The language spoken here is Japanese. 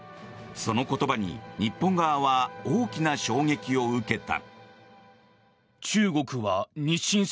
その言葉に日本側は大きな衝撃を受けた。